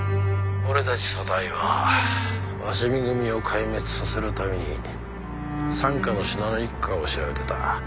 俺たち組対は鷲見組を壊滅させるために傘下の信濃一家を調べてた。